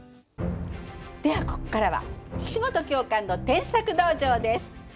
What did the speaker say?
ではここからは「岸本教官の添削道場」です。